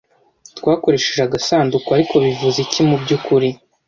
Twakoresheje agasanduku ariko bivuze iki mubyukuri